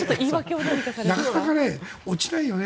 なかなか落ちないよね。